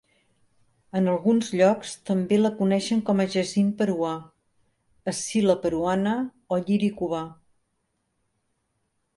En alguns llocs també la coneixen com a jacint peruà, escil·la peruana o lliri cubà.